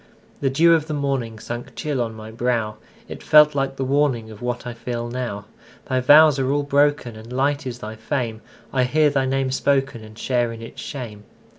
The dew of the morningSunk chill on my brow; It felt like the warningOf what I feel now. Thy vows are all broken, And light is thy fame:I hear thy name spokenAnd share in its shame.